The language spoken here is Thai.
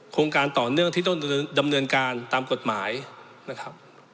การต่อเนื่องที่ต้องดำเนินการตามกฎหมายนะครับ